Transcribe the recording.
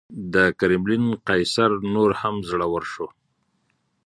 د کرملین قیصر نور هم زړور شو.